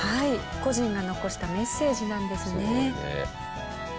故人が残したメッセージなんですね。